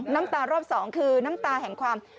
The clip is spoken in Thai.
น้ำตารอบ๒คือน้ำตาแห่งความ